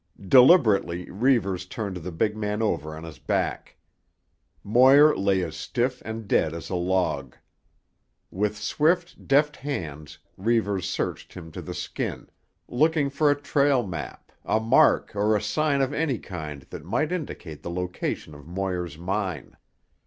Deliberately Reivers turned the big man over on his back. Moir lay as stiff and dead as a log. With swift, deft hands Reivers searched him to the skin, looking for a trail map, a mark or a sign of any kind that might indicate the location of Moir's mine.